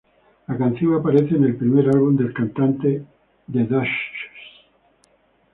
La canción aparece en el primer álbum de la cantante, The Dutchess.